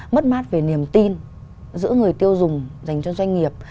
mất mát về niềm tin giữa người tiêu dùng dành cho doanh nghiệp